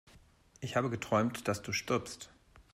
Ich habe geträumt, dass du stirbst!